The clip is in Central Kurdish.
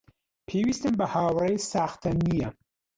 پێویستم بە هاوڕێی ساختە نییە.